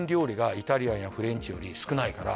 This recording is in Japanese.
「イタリアンやフレンチより少ないから」